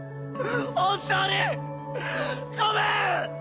本当にごめん！